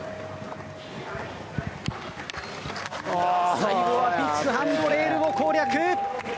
最後はビッグハンドレールを攻略！